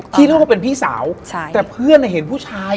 ที่เรื่องเขาเป็นพี่สาวแต่เพื่อนเห็นผู้ชาย